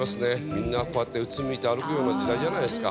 みんなこうやってうつむいて歩くような時代じゃないですか。